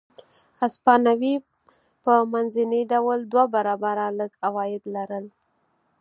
هسپانوي په منځني ډول دوه برابره لږ عواید لرل.